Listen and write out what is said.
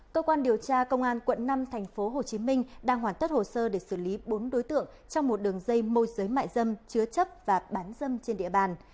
cơ quan điều tra công an quận năm tp hcm đang hoàn tất hồ sơ để xử lý bốn đối tượng trong một đường dây môi giới mại dâm chứa chấp và bán dâm trên địa bàn